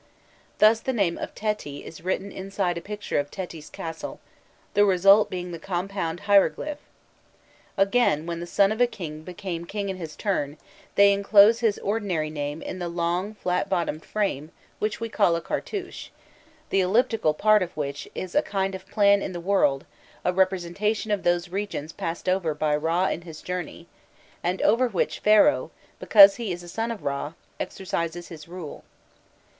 Thus the name of Teti is written inside a picture of Teti's castle, the result being the compound hieroglyph [] Again, when the son of a king became king in his turn, they enclose his ordinary name in the long flat bottomed frame [] which we call a cartouche; the elliptical part [] of which is a kind of plan of the world, a representation of those regions passed over by Râ in his journey, and over which Pharaoh, because he is a son of Râ, exercises his rule.